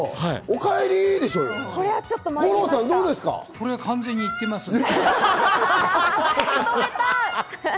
これは完全に言ってますね。